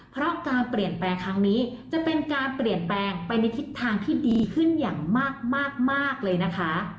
เพราะการเปลี่ยนแปลงครั้งนี้จะเป็นการเปลี่ยนแปลงไปในทิศทางที่ดีขึ้นอย่างมากเลยนะคะ